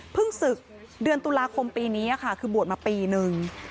ศึกเดือนตุลาคมปีนี้ค่ะคือบวชมาปีนึง